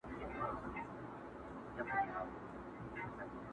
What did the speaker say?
پاچا و ايستل له ځانه لباسونه،